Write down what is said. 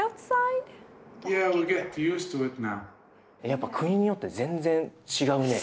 やっぱ国によって全然違うね。